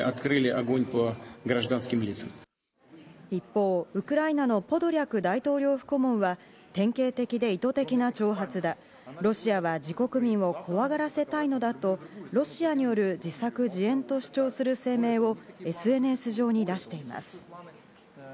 一方、ウクライナのポドリャク大統領府顧問は、典型的で意図的な挑発だ、ロシアは自国民を怖がらせたいのだとロシアによる自作自演と主張する声明をＳＮＳ上に出しています。